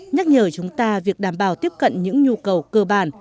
nhắc nhở chúng ta việc đảm bảo tiếp cận những nhu cầu cơ bản